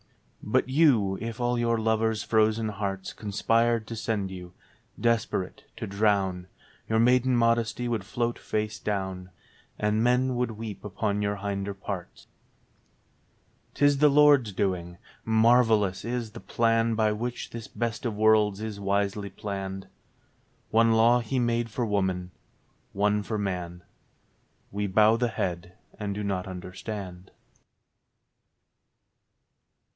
But you, if all your lovers' frozen hearts Conspired to send you, desperate, to drown — Your maiden modesty would float face down, And men would weep upon your hinder parts. 'Tis the Lord's doing. Marvellous is the plan By which this best of worlds is wisely planned. One law He made for woman, one for man : We bow the head and do not understand.